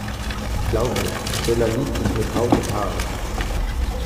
Glaub mir, Stella liebt dich mit Haut und Haaren.